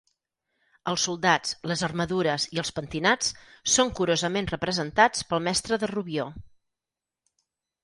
Els soldats, les armadures i els pentinats són curosament representats pel Mestre de Rubió.